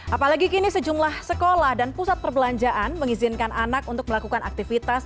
apalagi kini sejumlah sekolah dan pusat perbelanjaan mengizinkan anak untuk melakukan aktivitas